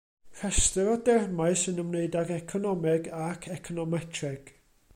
Rhestr o dermau sy'n ymwneud ag economeg ac econometreg.